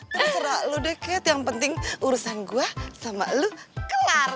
terserah lu deh cat yang penting urusan gua sama lu kelar